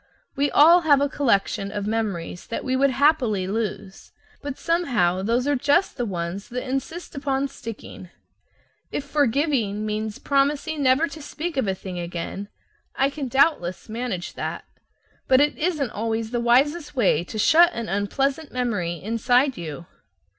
We all have a collection of memories that we would happily lose, but somehow those are just the ones that insist upon sticking. If "forgiving" means promising never to speak of a thing again, I can doubtless manage that. But it isn't always the wisest way to shut an unpleasant memory inside you.